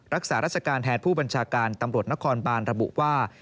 รักษาราชการแทนผู้บัญชาการตำรวจนครบานระบุว่า